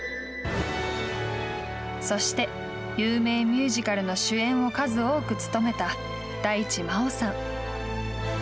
そして有名ミュージカルの主演を数多く務めた大地真央さん。